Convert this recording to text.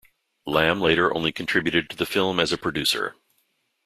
Lam later only contributed to the film as a producer.